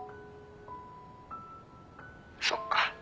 そっか。